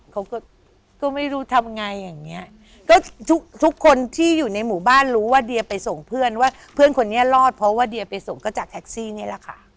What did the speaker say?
เขาก็ก็ไม่รู้ทำไงอย่างเงี้ยก็ทุกทุกคนที่อยู่ในหมู่บ้านรู้ว่าเดียไปส่งเพื่อนว่าเพื่อนคนนี้รอดเพราะว่าเดียไปส่งก็จากแท็กซี่นี่แหละค่ะ